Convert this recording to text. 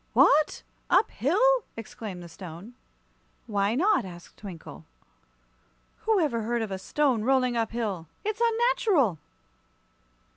"What! Up hill?" exclaimed the Stone. "Why not?" asked Twinkle. "Who ever heard of a stone rolling up hill? It's unnatural!"